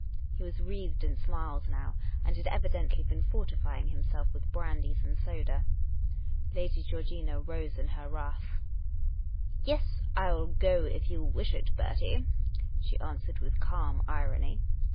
" He was wreathed in smiles now, and had evidently been fortifying himself with brandies and soda. Lady Georgina rose in her wrath. " Yes, I '11 go if you wish it, Bertie," she answered, with calm irony.